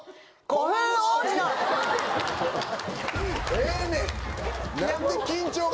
ええねん！